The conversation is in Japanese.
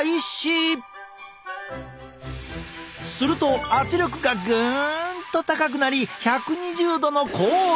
すると圧力がグンと高くなり１２０度の高温に！